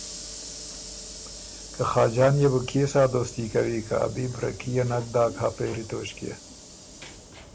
که خاجان يې بو کيې سا دوستي کوی که ا بی بره کي يې نک داک هۀ پېری توݭکيې۔